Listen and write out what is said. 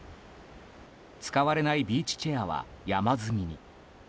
使われないビーチチェアは山積みに。